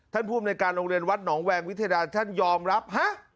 ภูมิในการโรงเรียนวัดหนองแวงวิทยาท่านยอมรับฮะ